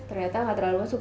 ternyata nggak terlalu masuk